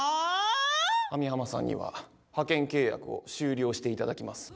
網浜さんには派遣契約を終了して頂きます。